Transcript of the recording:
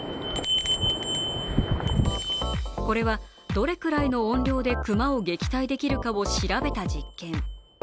これはどれくらいの音量で熊を撃退できるかを調べた実験。